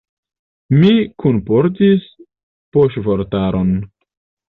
Mi kunportis poŝvortaron.